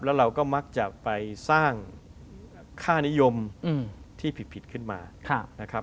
แล้วเราก็มักจะไปสร้างค่านิยมที่ผิดขึ้นมานะครับ